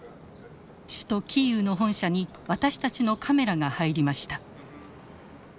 首都キーウの本社に私たちのカメラが入りました。